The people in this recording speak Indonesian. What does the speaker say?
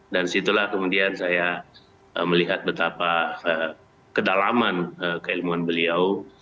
dan situlah kemudian saya melihat betapa kedalaman keilmuan beliau